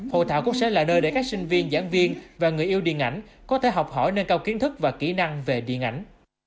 hội thảo cũng sẽ là nơi để các sinh viên giảng viên và người yêu điện ảnh có thể học hỏi nâng cao kiến thức và kỹ năng về điện ảnh